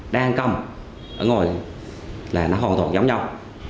đang cầm ở ngồi là nó hồn thuộc giống nhau